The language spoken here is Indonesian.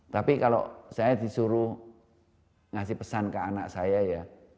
tapi kalau saya disuruh ngasih pesan ke anak saya ya